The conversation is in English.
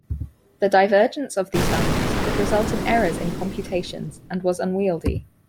The divergence of these values could result in errors in computations, and was unwieldy.